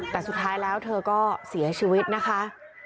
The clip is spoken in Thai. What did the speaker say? แต่สุดท้ายแล้วเธอก็เสียชีวิตนะคะ